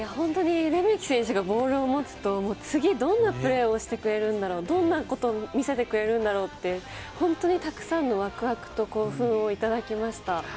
レメキ選手がボールを持つと、次はどんなプレーをしてくれるんだろう、どんなことを見せてくれるんだろうって、本当にたくさんのワクワクと興奮をいただきました。